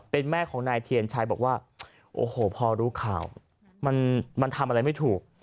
เป็นแม่ของนายเทียนชัยบอกว่าโอ้โหพอรู้ข่าวมันทำอะไรไม่ถูก